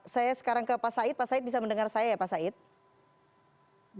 saya sekarang ke pak said pak said bisa mendengar saya ya pak said